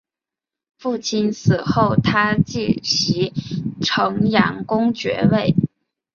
父亲死后他承袭城阳公爵位。